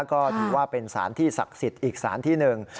ก็ถือว่าเป็นสารที่ศักดิ์สิทธิ์อีกสารที่หนึ่ง